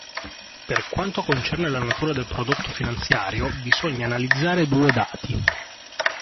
Per quanto concerne la natura del prodotto finanziario bisogna analizzare due dati.